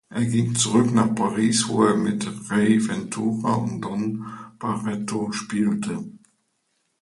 Er ging zurück nach Paris, wo er mit Ray Ventura und Don Barreto spielte.